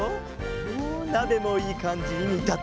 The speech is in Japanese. おおなべもいいかんじににたってきた。